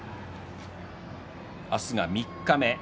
明日が三日目。